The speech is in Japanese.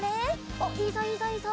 おっいいぞいいぞいいぞ。